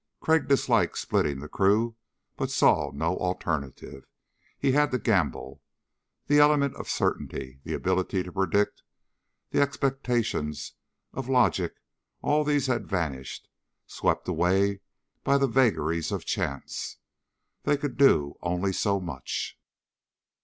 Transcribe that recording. Crag disliked splitting the crew but saw no alternative. He had to gamble. The element of certainty, the ability to predict, the expectations of logic all these had vanished, swept away by the vagaries of chance. They could do only so much.